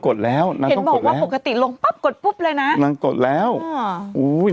กดแล้วนางต้องกดแล้วปกติลงป๊อบกดปุ๊บเลยนางกดแล้วอุ้ย